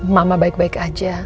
mama baik baik aja